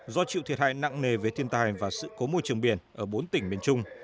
do chịu thiệt hại nặng nề với thiên tai và sự cố môi trường biển ở bốn tỉnh miền trung